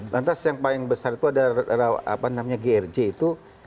lantas yang paling besar itu adalah namanya grj itu